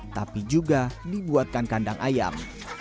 tapi juga dibuatkan kandang ayam